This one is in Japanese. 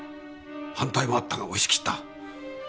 反対もあったが押し切った。